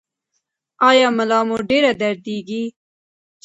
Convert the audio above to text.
ایا ملا مو ډیره دردیږي؟